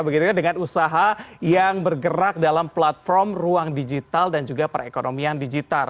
begitu ya dengan usaha yang bergerak dalam platform ruang digital dan juga perekonomian digital